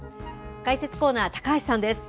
解説コーナー、高橋さんです。